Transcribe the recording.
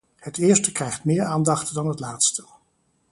Het eerste krijgt meer aandacht dan het laatste.